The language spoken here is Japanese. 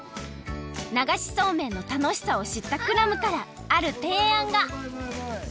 流しそうめんの楽しさをしったクラムからあるていあんが！？